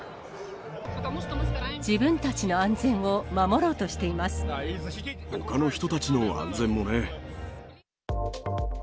自分たちの安全を守ろうとしほかの人たちの安全もね。